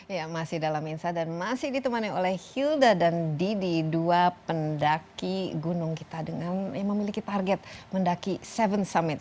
ya masih dalam insight dan masih ditemani oleh hilda dan didi dua pendaki gunung kita dengan yang memiliki target mendaki tujuh summits